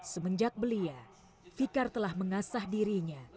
semenjak belia fikar telah mengasah dirinya